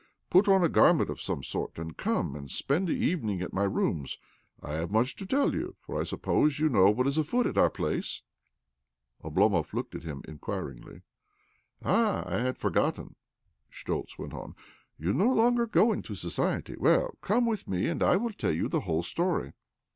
Put on a garment of some sort, arid come and spend the evening at my rooms. I have much to tell you, for I suppose you know what is afoot at our place ?" Oblomov looked at him inquiringly. " Ah, I had forgotten," Schtoltz went on. " You no longer go into society. Well, come with me, and I will tell you the whole story.